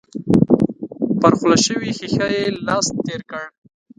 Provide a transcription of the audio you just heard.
پر خوله شوې ښيښه يې لاس تېر کړ.